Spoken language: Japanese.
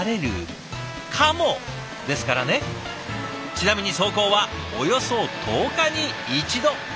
ちなみに走行はおよそ１０日に一度。